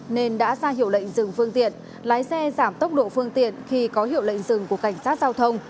nên đã ra hiệu lệnh dừng phương tiện lái xe giảm tốc độ phương tiện khi có hiệu lệnh dừng của cảnh sát giao thông